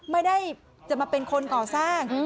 ไม่ได้จะมาเป็นคนก่อสร้าง